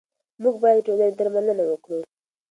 موږ باید د ټولنې درملنه وکړو.